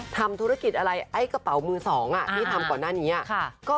ทำธุรกิจที่สองเป็นไงกระเป๋าล่ะ